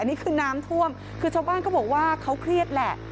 นี่คือน้ำท่วมคือชาวบ้านเขาบอกว่าเขาเครียดแหละ